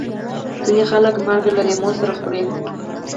ځینې خلک مالګه له لیمو سره خوري.